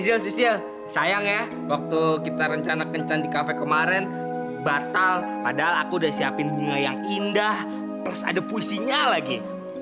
iya sayang ya waktu kita rencana kencan di kafe kemarin batal padahal aku udah siapin bunga yang indah terus ada puisinya lagi